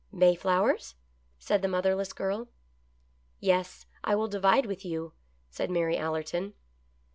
" Mayflowers ?" said the motherless girl. " Yes ; I will divide with you," said Mary Allerton.